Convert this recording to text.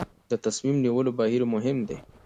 د تصمیم نیولو بهیر مهم دی